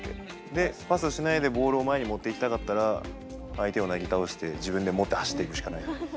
でパスしないでボールを前に持っていきたかったら相手をなぎ倒して自分で持って走っていくしかない。